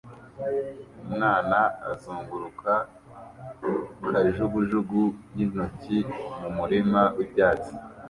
Umwana azunguruka kajugujugu y'intoki mu murima w'ibyatsi